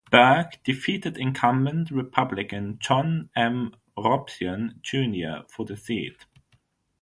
Burke defeated incumbent Republican John M. Robsion, Junior for the seat.